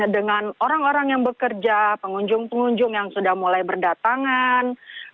dengan orang orang yang bekerja pengunjung pengunjung yang sudah mulai berdatangan